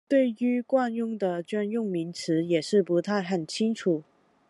對於慣用的專用名詞也不是很清楚